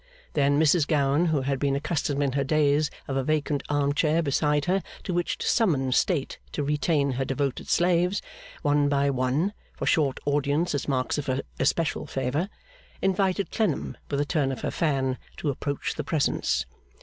Then Mrs Gowan, who had been accustomed in her days of a vacant arm chair beside her to which to summon state to retain her devoted slaves, one by one, for short audiences as marks of her especial favour, invited Clennam with a turn of her fan to approach the presence.